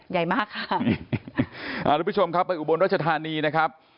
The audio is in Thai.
หลักทุกผู้ชมครับไปอุบรณรัชฐานีนะครับ